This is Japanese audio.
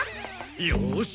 よし。